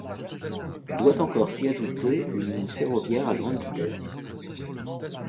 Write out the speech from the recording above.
Doit encore s'y ajouter une ligne ferroviaire à grande vitesse.